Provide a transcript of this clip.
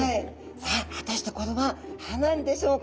さあ果たしてこれは歯なんでしょうか？